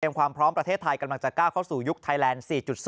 ความพร้อมประเทศไทยกำลังจะก้าวเข้าสู่ยุคไทยแลนด์๔๒